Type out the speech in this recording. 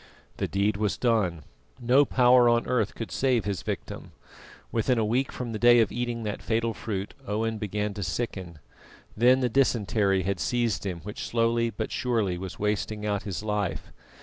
The deed was done; no power on earth could save his victim. Within a week from the day of eating that fatal fruit Owen began to sicken, then the dysentery had seized him which slowly but surely was wasting out his life.